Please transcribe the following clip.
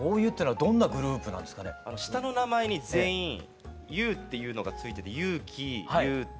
下の名前に全員「ゆう」っていうのが付いてて裕貴悠太